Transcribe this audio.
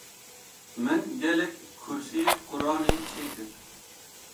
min gelek kursîyê Qur’anê çê kir.